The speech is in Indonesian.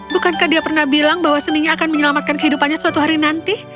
bukankah dia pernah bilang bahwa seninya akan menyelamatkan kehidupannya suatu hari nanti